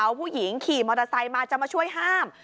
ผู้หญิงขี่มอเตอร์ไซค์มาจะมาช่วยห้าม